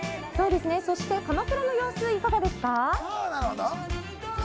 そして鎌倉の様子、いかがですか。